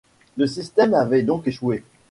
Le système avait donc échoué.